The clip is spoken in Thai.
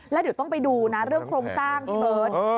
แล้วเดี๋ยวต้องไปดูนะเรื่องโครงสร้างพี่เบิร์ต